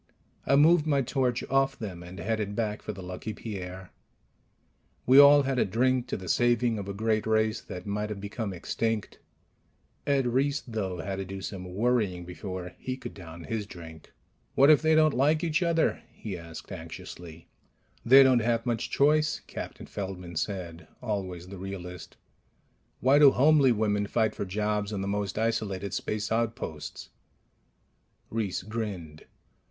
I moved my torch off them and headed back for the Lucky Pierre. We all had a drink to the saving of a great race that might have become extinct. Ed Reiss, though, had to do some worrying before he could down his drink. "What if they don't like each other?" he asked anxiously. "They don't have much choice," Captain Feldman said, always the realist. "Why do homely women fight for jobs on the most isolated space outposts?" Reiss grinned.